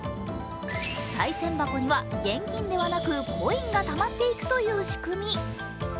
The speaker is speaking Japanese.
さい銭箱には現金ではなくコインがたまっていくという仕組み。